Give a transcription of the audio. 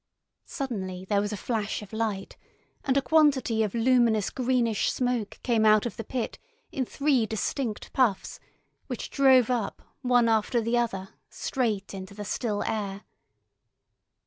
Suddenly there was a flash of light, and a quantity of luminous greenish smoke came out of the pit in three distinct puffs, which drove up, one after the other, straight into the still air.